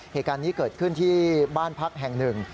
เหตุการณ์นี้เกิดขึ้นที่บ้านพักแห่งหนึ่ง